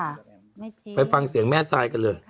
ไม่จริงไปฟังเสียงแม่ทรายกันเลย